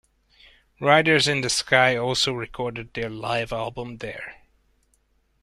Riders in the Sky also recorded their live album there.